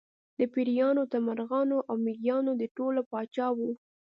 له پېریانو تر مرغانو او مېږیانو د ټولو پاچا و.